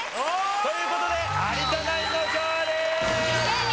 という事で有田ナインの勝利！